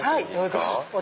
どうぞ。